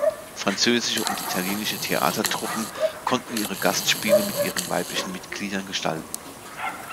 Französische und italienische Theatertruppen konnten ihre Gastspiele mit ihren weiblichen Mitgliedern gestalten.